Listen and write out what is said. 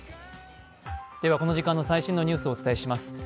この時間の最新のニュースをお伝えします。